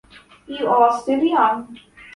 You are still young.